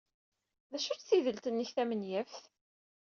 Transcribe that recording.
D acu-tt tidelt-nnek tamenyaft?